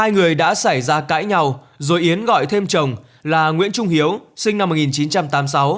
hai người đã xảy ra cãi nhau rồi yến gọi thêm chồng là nguyễn trung hiếu sinh năm một nghìn chín trăm tám mươi sáu